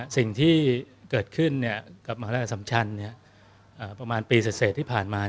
สิ่งที่เกิดขึ้นกับมหาราชสำชันประมาณปีเสร็จที่ผ่านมา